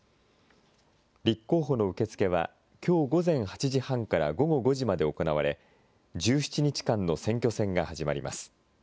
立候補の受け付けはきょう午前８時半から午後５時まで行われ、１７日間の選挙戦が始まります。